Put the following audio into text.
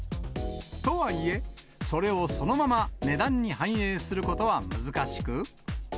とはいえ、それをそのまま値段に反映することは難しく。